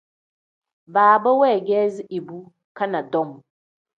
Baaba weegeezi ibu caanadom.